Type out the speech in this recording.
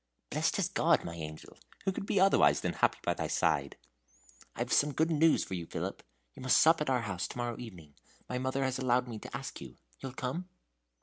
"Blest as a god, my angel, who could be otherwise than happy by thy side?" "I've some good news for you, Philip. You must sup at our house to morrow evening. My mother has allowed me to ask you. You 'll come?"